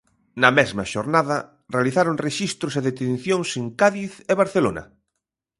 Na mesma xornada realizaron rexistros e detencións en Cádiz e Barcelona.